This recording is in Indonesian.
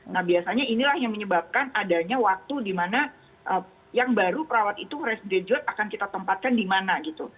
nah biasanya inilah yang menyebabkan adanya waktu di mana yang baru perawat itu resderaduate akan kita tempatkan di mana gitu